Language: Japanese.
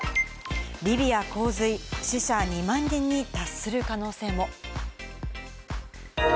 リビア洪水、死者２万人に達する可能性も。